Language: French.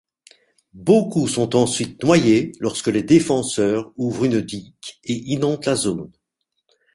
Beaucoup sont ensuite noyés lorsque les défenseurs ouvrent une digue et inondent la zone.